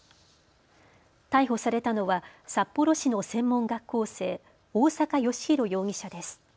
逮捕されたのは札幌市の専門学校生、大坂良広容疑者です。